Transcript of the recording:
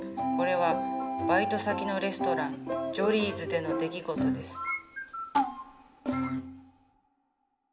これはバイト先のレストランジョリーズでの出来事です。